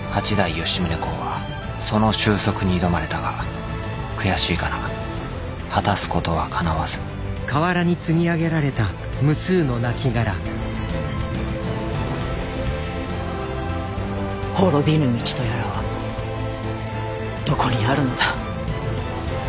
吉宗公はその収束に挑まれたが悔しいかな果たすことはかなわず滅びぬ道とやらはどこにあるのだ。